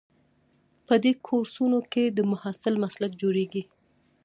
په دې کورسونو کې د محصل مسلک جوړیږي.